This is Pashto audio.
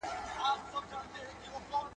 • د بارانه ولاړی، تر ناوې لاندي ئې شپه سوه.